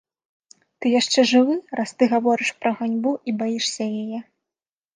Ты яшчэ жывы, раз ты гаворыш пра ганьбу і баішся яе.